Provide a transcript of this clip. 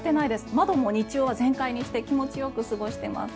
窓も日中は全開にして気持ちよく過ごしています。